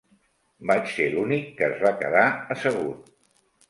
Vaig ser l'únic que es va quedar assegut.